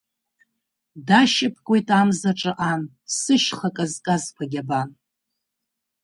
Дашьапкуеит амзаҿа ан, Сышьха казказқәагь, абан…